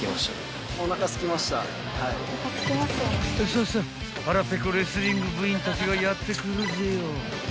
［さぁさぁ腹ペコレスリング部員たちがやって来るぜよ］